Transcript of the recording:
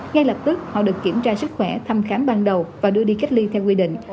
ngay lập tức họ được kiểm tra sức khỏe thăm khám ban đầu và đưa đi cách ly theo quy định